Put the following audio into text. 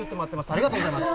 ありがとうございます。